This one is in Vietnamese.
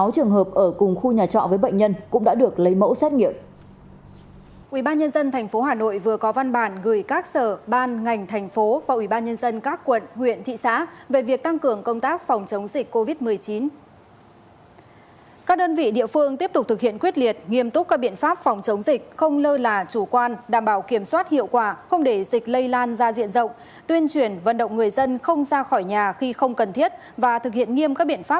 một mươi sáu trường hợp ở cùng khu nhà trọ với bệnh nhân cũng đã được lấy mẫu xét nghiệm